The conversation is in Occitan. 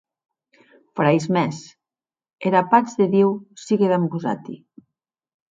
Frairs mèns, era patz de Diu sigue damb vosati.